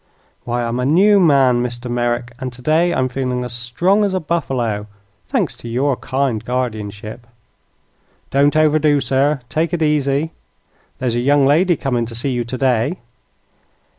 "Why, I'm a new man, Mr. Merrick, and today I'm feeling as strong as a buffalo thanks to your kind guardianship." "Don't overdo, sir. Take it easy. There's a young lady coming to see you today."